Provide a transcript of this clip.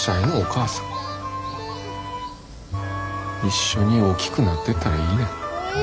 一緒に大きくなってったらいいねん。